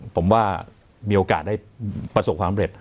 ผมว่ามีโอกาสได้ประสบความเร็จ